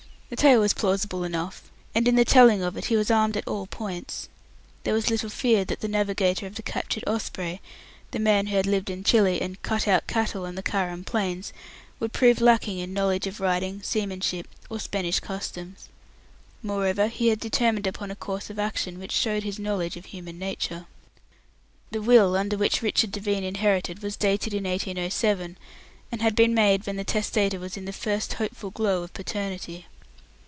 The tale was plausible enough, and in the telling of it he was armed at all points. There was little fear that the navigator of the captured Osprey, the man who had lived in Chile and "cut out" cattle on the Carrum Plains, would prove lacking in knowledge of riding, seamanship, or Spanish customs. Moreover, he had determined upon a course of action which showed his knowledge of human nature. The will under which Richard Devine inherited was dated in 1807, and had been made when the testator was in the first hopeful glow of paternity.